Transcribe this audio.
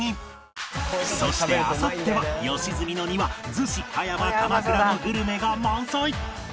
そしてあさっては良純の庭逗子・葉山・鎌倉のグルメが満載